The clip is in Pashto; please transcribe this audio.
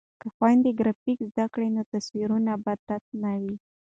که خویندې ګرافیک زده کړي نو تصویرونه به تت نه وي.